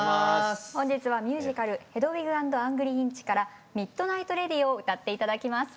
本日はミュージカル「ヘドウィグ・アンド・アングリーインチ」から「ミッドナイト・レディオ」を歌って頂きます。